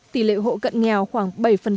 tỷ lệ hộ cận nghèo khoảng bảy